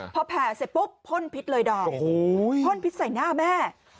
พอแผ่เสร็จปุ๊บพ่นพิษเลยดอมพ่นพิษใส่หน้าแม่